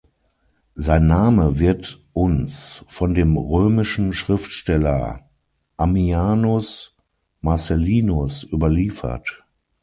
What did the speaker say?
Sein Name wird uns von dem römischen Schriftsteller Ammianus Marcellinus überliefert.